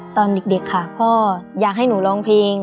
ตอนเด็กค่ะพ่ออยากให้หนูร้องเพลง